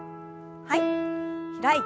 はい。